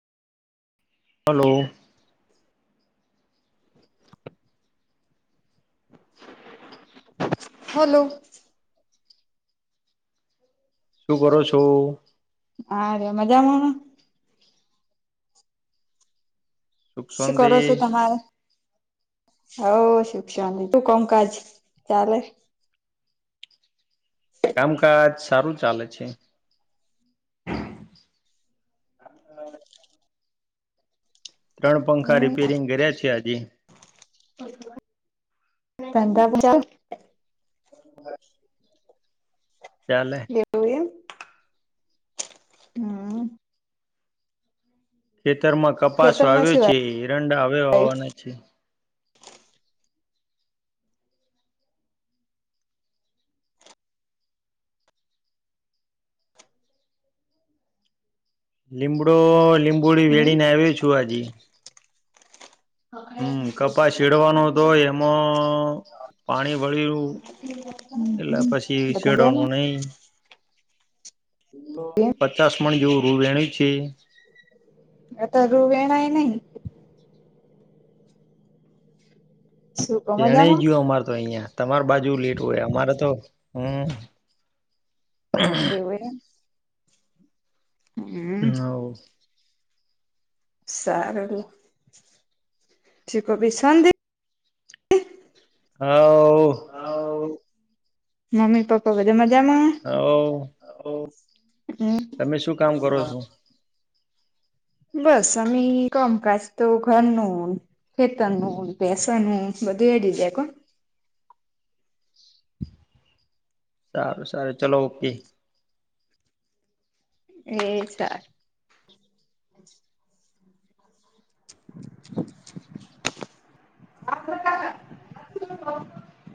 Hello hello શું કરો છો હા ર મજામાં સુખ શું શાંતિ કરો છો તમારે હવ શિક્ષણ શુ કોમકાજ ચાલે કામકાજ સારું ચાલે છે [inaudible] ત્રણ પંખા રિપેરિંગ કર્યા છે આજે. ધંધામાં ચાલે. એવું હમ્મ. ખેતરમાં કપાસો ખેતરમાં આવ્યો શું છે હિરંડા અવે આવ્યો આવ્યું? વાવાના છે. લીમડો લીંબુડી હમ વેણીને આવ્યો છું હજી. હમ્મ કપાસ શેડવાનો તો હતો એમાં પાણી વળયું. એટલે પછી બધા મજામાં શેડવાનું નહીં. [inaudible] પચાસ મણ જેવું રૂ વેણ્યું છે. આ તો રુ વેણાય નહીં. શું કો વેણાય મજામાં ગયું અમારે તો અહિયા. તમાર બાજુ લેટ હોય અમારે તો હમ્મ. એવું એ. અવ. સારું શું કો [unintelligible] હ. હવ મમ્મી પપ્પા બધાં મજામાં? હવ. હવ હમ્મ, થઈ તમે શું ગયું કરો છો? કામ? બસ આમે કોમકાજ તો ઘરનું. ખેતરનું ભેંસોનું બધું એડી જાય કો. સારું સારું ચલો ઓકે. એ સારું. [unintelligible]